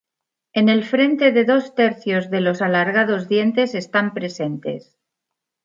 En el frente de dos tercios de los alargados dientes están presentes.